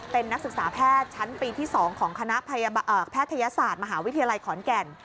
เป็นนักศึกษาแพทย์ชั้นปีที่๒ของคณะแพทยศาสตร์มหาวิทยาลัยขอนแก่น